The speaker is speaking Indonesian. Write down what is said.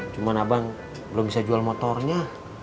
cuma abang belum bisa jual motornya